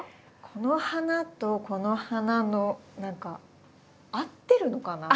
この花とこの花の何か合ってるのかな？